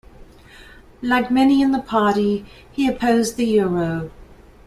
Like many in the party, he opposed the euro.